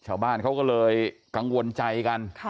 ชาวบ้านเขาก็เลยกังวลใจกัน